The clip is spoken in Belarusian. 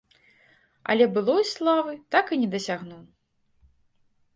Але былой славы так і не дасягнуў.